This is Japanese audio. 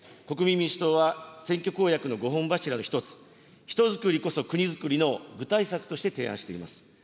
国民民主党は、選挙公約の５本柱の１つ、ひとづくりこそくにづくりの具体策として提案しています。